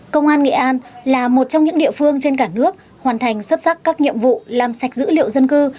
công an nghệ an là một trong những địa phương trên cả nước hoàn thành xuất sắc các nhiệm vụ làm sạch dữ liệu dân cư